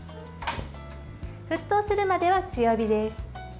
沸騰するまでは強火です。